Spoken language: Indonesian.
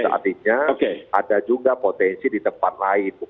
artinya ada juga potensi di tempat lain